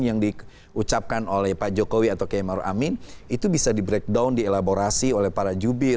yang diucapkan oleh pak jokowi atau kiamar amin itu bisa di breakdown di elaborasi oleh para jubir